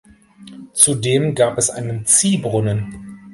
Zudem gab es einen Ziehbrunnen.